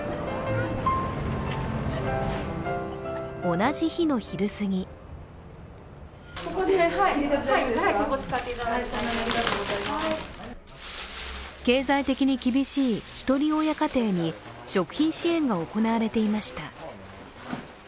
同じ日の昼すぎ経済的に厳しいひとり親家庭に食品支援が行われていました。